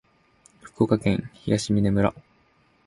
福岡県東峰村